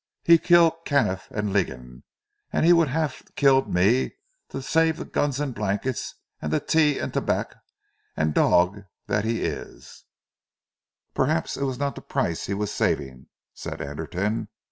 He keel Canif and Ligan, and he would me haf keeled to save zee guns and blankets and zee tea and tabac, dog dat he ees!" "Perhaps it was not the price he was saving," said Anderton.